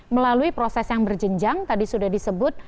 melalui proses yang berjenjang tadi sudah disebut